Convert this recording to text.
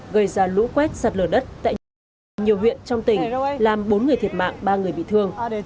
gây ra lũ quét sạt lở đất tại nhiều huyện nhiều huyện trong tỉnh làm bốn người thiệt mạng ba người bị thương